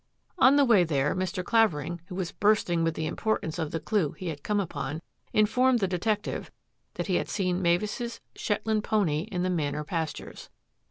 On the way there Mr. Clavering, who was burst ing with the importance of the clue he had come upon, informed the detective that he had seen Mavis's Shetland pony in the Manor pastures.